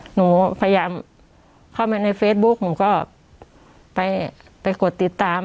หนูพยายามเข้ามาในเฟซบุ๊กหนูก็ไปไปกดติดตาม